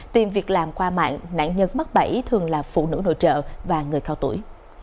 tìm việc làm qua mạng nạn nhân mắc bẫy thường là phụ nữ nội trợ và người cao tuổi